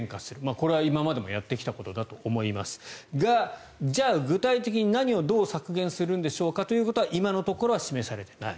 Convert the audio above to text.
これは今までもやってきたことだと思いますがじゃあ具体的に何をどう削減するんでしょうかということは今のところは示されていない。